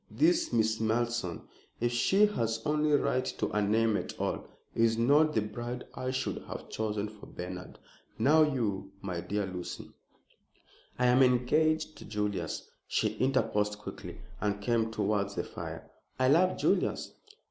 This Miss Malleson if she has any right to a name at all is not the bride I should have chosen for Bernard. Now you, my dear Lucy " "I am engaged to Julius," she interposed quickly, and came towards the fire. "I love Julius."